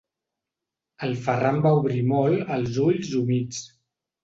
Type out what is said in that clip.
El Ferran va obrir molt els ulls humits.